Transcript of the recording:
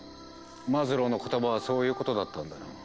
マズローの言葉はそういうことだったんだな。